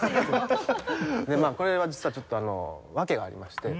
これは実はちょっとあの訳がありまして。